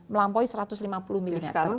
melampaui satu ratus lima puluh miliar